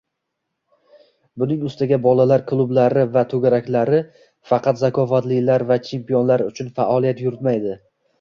Buning ustiga bolalar klublari va to‘garaklari faqat zakovatlilar va chempionlar uchun faoliyat yuritmaydi.